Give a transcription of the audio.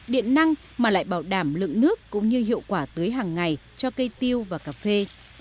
điện năng mà lại bảo đảm lượng nước cũng như hiệu quả tưới hàng ngày cho cây tiêu và cà phê